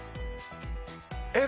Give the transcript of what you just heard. えっ。